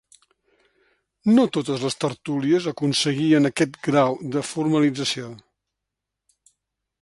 No totes les tertúlies aconseguien aquest grau de formalització.